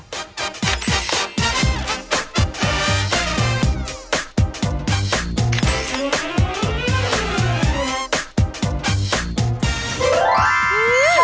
ดูอีกด้วยค่ะ